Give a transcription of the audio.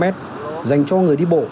một năm mét dành cho người đi bộ